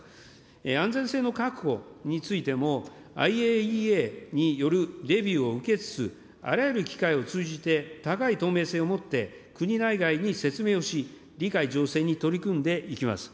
安全性の確保についても、ＩＡＥＡによるレビューを受けつつ、あらゆる機会を通じて、高い透明性をもって国内外に説明をし、理解醸成に取り組んでいきます。